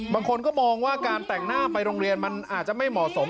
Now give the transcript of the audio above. บางคนก็มองว่าการแต่งหน้าไปโรงเรียนมันอาจจะไม่เหมาะสม